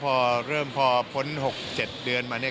พอพ้น๖๗เดือนมาก็